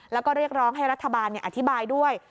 แล้วก็เรียกร้องให้รัฐบาลอธิบายด้วย